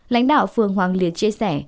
lãnh đạo phường hoàng liệt chia sẻ